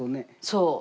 そう。